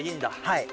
はい。